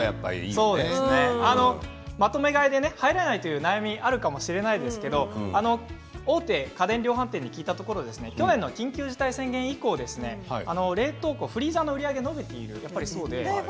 まとめ買いで入らないという悩みがあるかもしれませんけれど大手家電量販店に聞いたところ去年の緊急事態宣言以降冷凍庫、フリーザーの売り上げが伸びているということなんです。